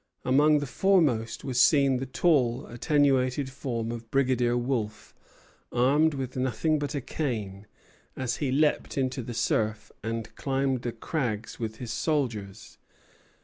Among the foremost was seen the tall, attenuated form of Brigadier Wolfe, armed with nothing but a cane, as he leaped into the surf and climbed the crags with his soldiers.